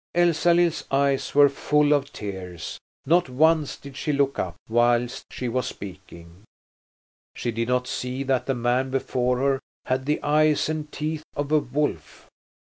Elsalill's eyes were full of tears; not once did she look up whilst she was speaking. She did not see that the man before her had the eyes and teeth of a wolf.